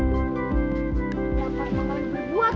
gua tuh enggak